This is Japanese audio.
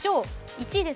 １位です。